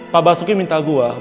pabasuki minta gua ngasih dia